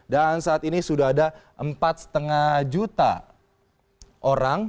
dan saat ini sudah ada empat lima juta orang